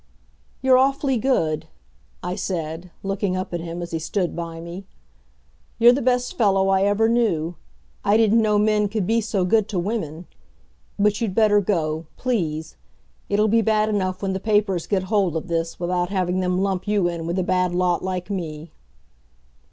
"You're awfully good," I said, looking up at him as he stood by me. "You're the best fellow I ever knew. I didn't know men could be so good to women... But you'd better go please. It'll be bad enough when the papers get hold of this, without having them lump you in with a bad lot like me."